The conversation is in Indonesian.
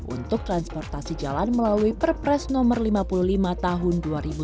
untuk transportasi jalan melalui perpres no lima puluh lima tahun dua ribu sembilan belas